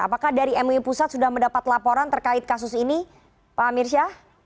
apakah dari mui pusat sudah mendapat laporan terkait kasus ini pak amir syah